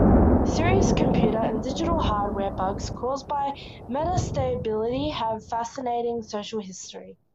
Serious computer and digital hardware bugs caused by metastability have a fascinating social history.